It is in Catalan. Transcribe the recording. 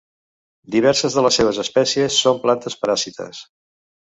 Diverses de les seves espècies són plantes paràsites.